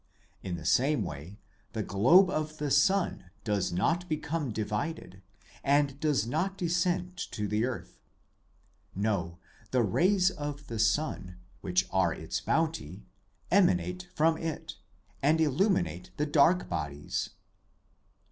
In the same way, the globe of the sun does not become divided and does not descend to the earth: no, the rays of the sun, which are its bounty, emanate from it, and illumine the dark bodies.